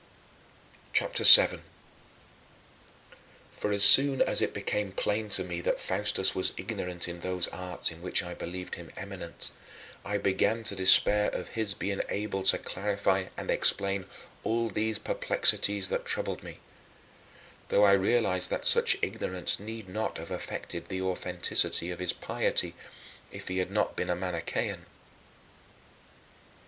CHAPTER VII 12. For as soon as it became plain to me that Faustus was ignorant in those arts in which I had believed him eminent, I began to despair of his being able to clarify and explain all these perplexities that troubled me though I realized that such ignorance need not have affected the authenticity of his piety, if he had not been a Manichean.